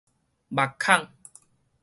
目孔